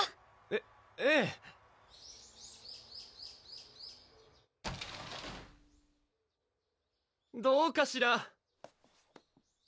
えっええどうかしら？